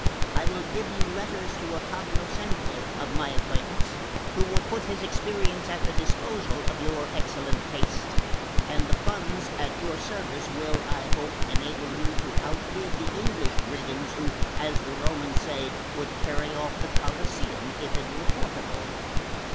I will give you letters to a cognoscente of my acquaintance, who will put his experience at the disposal of your excellent taste, and the funds at your service will, I hope, enable you to outbid the English brigands who, as the Romans say, would carry off the Colosseum if it were portable."